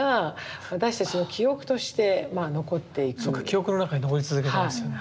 記憶の中に残り続けてますよね。